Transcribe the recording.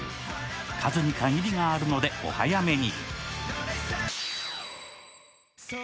数に限りがあるので、お早めに。